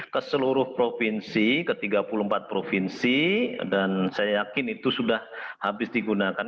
ke seluruh provinsi ke tiga puluh empat provinsi dan saya yakin itu sudah habis digunakan